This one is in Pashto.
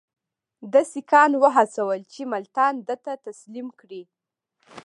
ده سیکهان وهڅول چې ملتان ده ته تسلیم کړي.